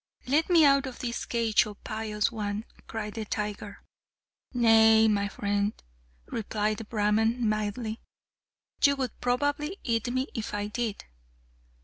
"Let me out of this cage, oh pious one!" cried the tiger. "Nay, my friend," replied the Brahman mildly, "you would probably eat me if I did."